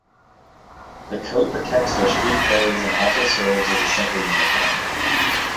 The coat protects their street clothes and also serves as a simple uniform.